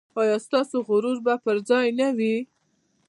ایا ستاسو غرور به پر ځای نه وي؟